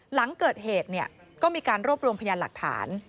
หลังเกิดเหตุก็มีการรวบรวมพยานหลักฐาน